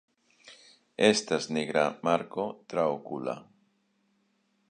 Estas nigra marko traokula.